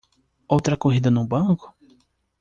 Outra corrida no banco?